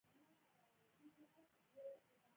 له بلې خوا یې د تورخم دروازه ورباندې تړلې ده.